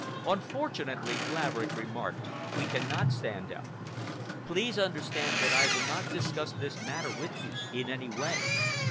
"Unfortunately," Laverick remarked, "we cannot stand up. Please understand that I will not discuss this matter with you in any way.